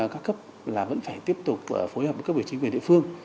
các cấp là vẫn phải tiếp tục phối hợp với các vị chính quyền địa phương